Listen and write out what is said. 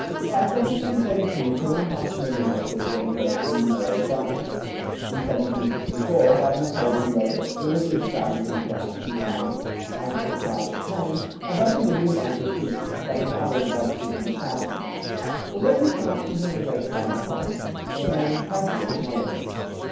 By 1732 two and one half million acres were engrossed in manorial grants.[80:1] In 1764, Governor Colden wrote[80:2] that three of the extravagant grants contain, as the proprietors claim, above a million acres each, several others above 200,000. Although these grants contain a great part of the province, they are made in trifling acknowledgements.